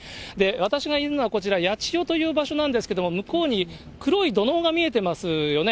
私がいるのはこちら、やちよという場所なんですけれども、向こうに黒い土のうが見えてますよね。